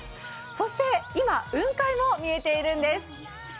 そして、今、雲海も見えているんです。